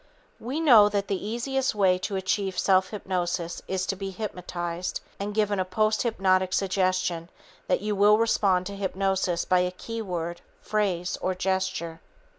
We know that the easiest way to achieve self hypnosis is to be hypnotized and given a posthypnotic suggestion that you will respond to hypnosis by a key word, phrase or gesture.